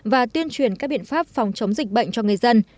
và tuyên truyền các biện pháp phòng chống dịch bệnh cho người dân